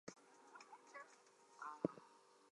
Victor Skaarup wrote the Danish lyrics.